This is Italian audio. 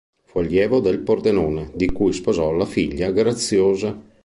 Fu allievo del Pordenone, di cui sposò la figlia Graziosa.